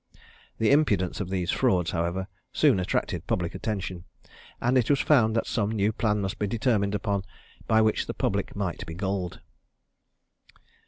The impudence of these frauds, however, soon attracted public attention, and it was found that some new plan must be determined upon, by which the public might be gulled.